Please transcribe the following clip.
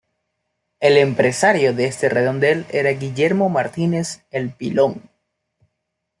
El empresario de este redondel era Guillermo Martínez "El Pilón".